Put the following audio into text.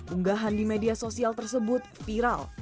unggahan di media sosial tersebut viral